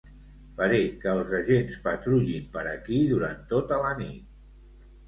Faré que els Agents patrullin per aquí durant tota la nit.